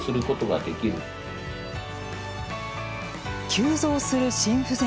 急増する心不全。